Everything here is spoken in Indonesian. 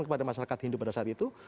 kepada masyarakat hindu pada saat itu